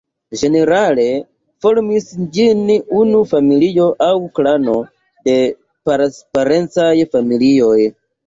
Ĝenerale formis ĝin unu familio aŭ klano de parencaj familioj.